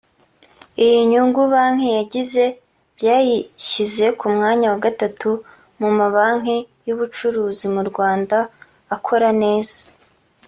Iyi nyungu banki yagize byayishyize ku mwanya wa gatatu mu mabanki y’ubucuruzi mu Rwanda akora neza